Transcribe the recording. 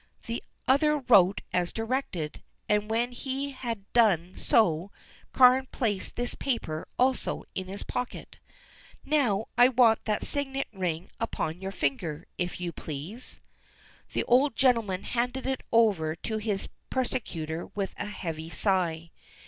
The other wrote as directed, and when he had done so Carne placed this paper also in his pocket. "Now I want that signet ring upon your finger, if you please." The old gentleman handed it over to his persecutor with a heavy sigh.